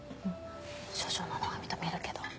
処女なのは認めるけど。